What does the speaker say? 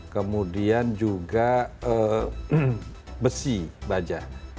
kemudian juga besi baja